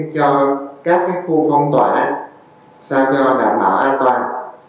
cho các khu phong tỏa sao cho đảm bảo an toàn